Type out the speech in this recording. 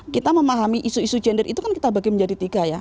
kita memahami isu isu gender itu kan kita bagi menjadi tiga ya